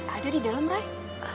ada di dalam rai